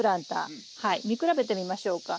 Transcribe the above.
見比べてみましょうか。